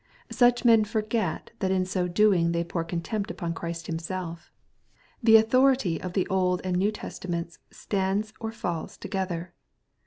Such men forget, that in so doing they pour con tempt upon Christ Himself. The authority of the Old and New Testament stands or falls together.